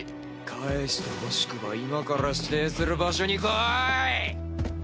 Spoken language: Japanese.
返してほしくば今から指定する場所に来い！